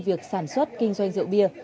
việc sản xuất kinh doanh rượu bia